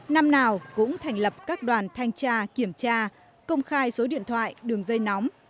năm nào cũng thành lập các đoàn thanh tra kiểm tra công khai số điện thoại đường dây nóng